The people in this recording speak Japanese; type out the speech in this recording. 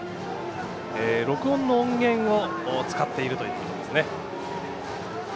録音の音源を使っているということですね。